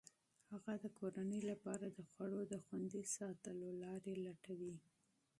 هغه د کورنۍ لپاره د خوړو د خوندي ساتلو لارې لټوي.